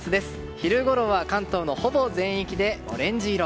昼ごろは、関東のほぼ全域でオレンジ色。